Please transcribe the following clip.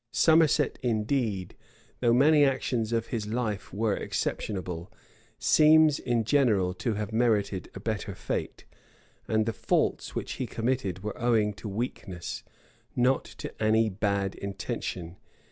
Somerset indeed, though many actions of his life were exceptionable, seems in general to have merited a better fate; and the faults which he committed were owing to weakness, not to any bad intention.